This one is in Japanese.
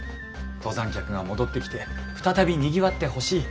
登山客が戻ってきて再びにぎわってほしい。